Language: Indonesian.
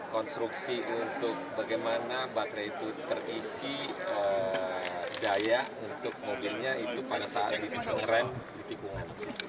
konstruksi untuk bagaimana baterai itu terisi daya untuk mobilnya itu pada saat pengerem di tikungan